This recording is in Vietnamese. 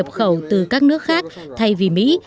nhập khẩu từ các nước khác thay vì mỹ